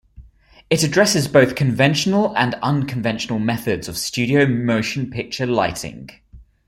It addresses both conventional and unconventional methods of studio motion-picture lighting.